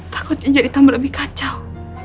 takutnya jadi tambah lebih kacau